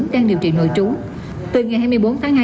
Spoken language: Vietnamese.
đang điều trị nội trú từ ngày hai mươi bốn tháng hai